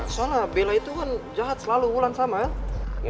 salah bella itu kan jahat selalu lulan sama ya